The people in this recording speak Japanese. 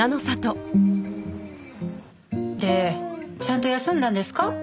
でちゃんと休んだんですか？